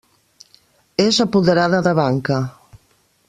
És apoderada de banca.